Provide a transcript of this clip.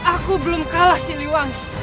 aku belum kalah si liwangi